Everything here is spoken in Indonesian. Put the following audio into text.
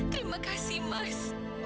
terima kasih mas